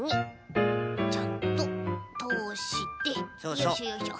よいしょよいしょ。